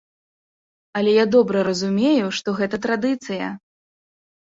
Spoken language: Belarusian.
Але я добра разумею, што гэта традыцыя.